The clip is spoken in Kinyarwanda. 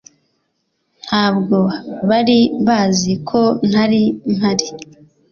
Ntabwo bari bazi ko ntari mpari